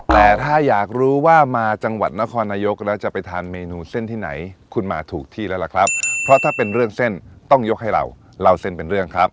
แต่ถ้าอยากรู้ว่ามาจังหวัดนครนายกแล้วจะไปทานเมนูเส้นที่ไหนคุณมาถูกที่แล้วล่ะครับเพราะถ้าเป็นเรื่องเส้นต้องยกให้เราเล่าเส้นเป็นเรื่องครับ